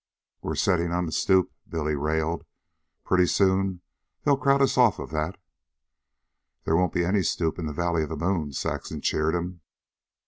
"We're settin' on the stoop," Billy railed. "Pretty soon they'll crowd us off of that." "There won't be any stoop in the valley of the moon," Saxon cheered him.